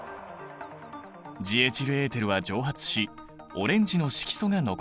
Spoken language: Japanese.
ジエチルエーテルは蒸発しオレンジの色素が残った。